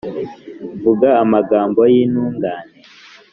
Mvuga amagambo y'intungane!